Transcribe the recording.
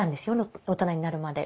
大人になるまで。